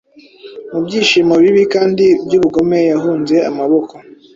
Mu byishimo bibi kandi by'ubugome Yahunze amaboko,